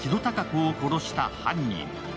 子を殺した犯人。